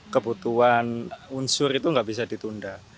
kebutuhan unsur itu nggak bisa ditunda